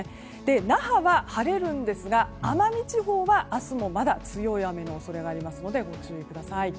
那覇は晴れるんですが奄美地方は明日も強い恐れがありますのでご注意ください。